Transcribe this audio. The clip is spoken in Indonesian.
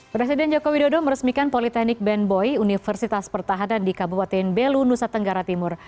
presiden jokowi dodo meresmikan politeknik benboy universitas pertahanan di kabupaten belu nusa tenggara timur